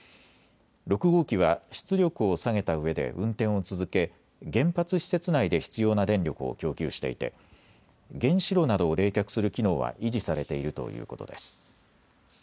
６号機は出力を下げたうえで運転を続け原発施設内で必要な電力を供給していて原子炉などを冷却する機能は維持されているということです。